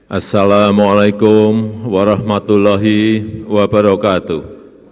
assalamu alaikum warahmatullahi wabarakatuh